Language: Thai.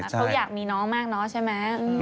เขาอยากมีน้องมากเนอะใช่ไหม